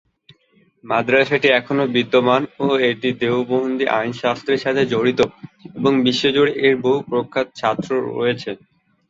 মাদ্রাসাটি এখনও বিদ্যমান ও এটি দেওবন্দী আইনশাস্ত্রের সাথে জড়িত এবং বিশ্বজুড়ে এর বহু প্রখ্যাত প্রাক্তন ছাত্র রয়েছে।